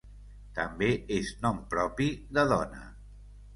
També és nom propi de dona.